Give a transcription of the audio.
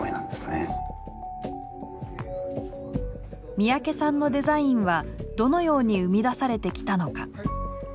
三宅さんのデザインはどのように生み出されてきたのか。